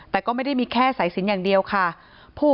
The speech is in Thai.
ประสงสามรูปนะคะนำสายสินสีขาวผูกข้อมือให้กับพ่อแม่ของน้องชมพู่